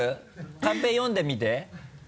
カンペ読んでみて。